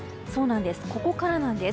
ここからなんです。